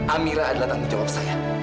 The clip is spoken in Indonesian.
amira adalah tanggung jawab saya